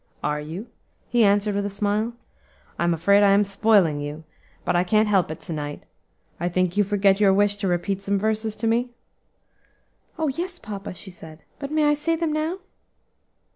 "Are you?" he answered with a smile. "I'm afraid I am spoiling you; but I can't help it to night. I think you forget your wish to repeat some verses to me?" "Oh! yes, papa!" she said, "but may I say them now?"